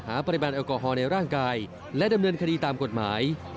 ปริมาณแอลกอฮอลในร่างกายและดำเนินคดีตามกฎหมาย